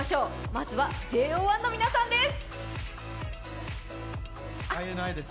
まずはＪＯ１の皆さんです！